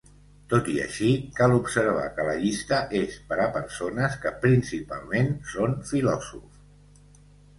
Tot i així, cal observar que la llista és per a persones que "principalment" són filòsofs.